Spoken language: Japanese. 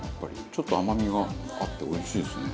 ちょっと甘みがあっておいしいですね。